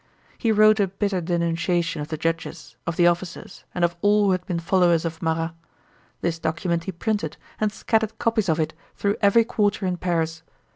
He wrote a bitter denunciation of the judges, of the officers, and of all who had been followers of Marat. This document he printed, and scattered copies of it through every quarter in Paris.